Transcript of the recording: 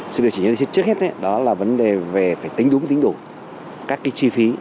sự điều chỉnh trước hết đó là vấn đề về phải tính đúng tính đủ các chi phí